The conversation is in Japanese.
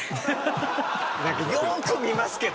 よく見ますけど。